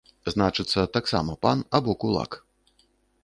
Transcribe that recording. Значыцца, таксама пан або кулак.